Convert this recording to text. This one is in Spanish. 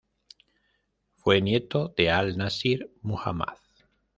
Fue nieto de Al-Nasir Muhammad.